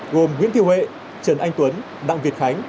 gồm nguyễn thiêu hệ trần anh tuấn đặng việt khánh